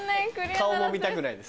顔も見たくないです。